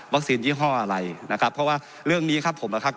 ยี่ห้ออะไรนะครับเพราะว่าเรื่องนี้ครับผมนะครับ